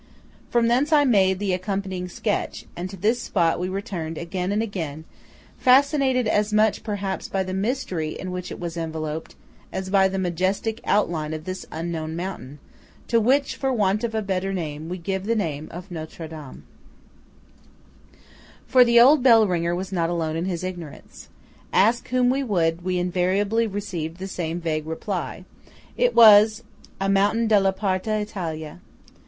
From thence I made the accompanying sketch; and to this spot we returned again and again, fascinated as much, perhaps, by the mystery in which it was enveloped, as by the majestic outline of this unknown mountain, to which, for want of a better, we gave the name of Notre Dame. UNKNOWN MOUNTAIN NEAR CORTINA. For the old bellringer was not alone in his ignorance. Ask whom we would, we invariably received the same vague reply–it was a, mountain "della parte d'Italia."